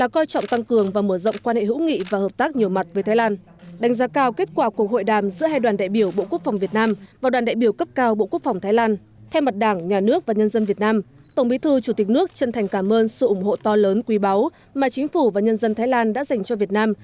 chào mừng phó thủ tướng bộ trưởng quốc phòng thái lan sang thăm chính thức việt nam